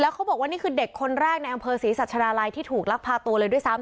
เขาบอกว่านี่คือเด็กคนแรกในอำเภอศรีสัชราลัยที่ถูกลักพาตัวเลยด้วยซ้ำ